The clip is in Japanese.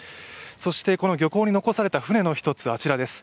そしてこの漁港に残された船の１つ、あちれです。